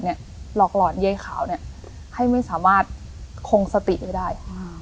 หลอกหลอนยายขาวให้ไม่สามารถคงสติไว้ได้